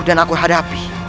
dan aku menghadapi